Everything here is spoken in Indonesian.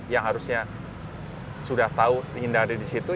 yang harusnya sudah tahu dihindari di situ